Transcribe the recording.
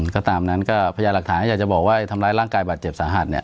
ก็ตามนั้นก็พยายามหลักฐานถ้าอยากจะบอกว่าทำร้ายร่างกายบาดเจ็บสาหัสเนี่ย